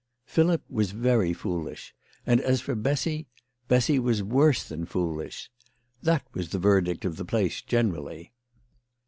Philip was very foolish. And as for Bessy ; Bessy was worse than foolish. That was the verdict of the place generally.